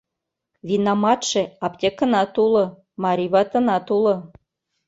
Винаматше аптекынат уло, марий ватынат уло.